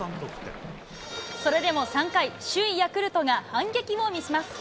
それでも３回、首位ヤクルトが反撃を見せます。